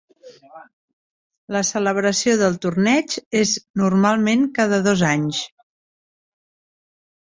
La celebració del torneig és normalment cada dos anys.